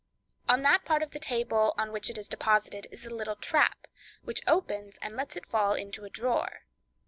On that part of the table on which it is deposited is a little trap, which opens and lets it fall into a drawer.